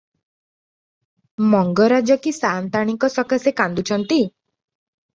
ମଙ୍ଗରାଜ କି ସାଆନ୍ତାଣୀଙ୍କ ସକାଶେ କାନ୍ଦୁଛନ୍ତି?